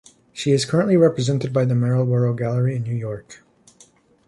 She is currently represented by the Marlborough Gallery in New York.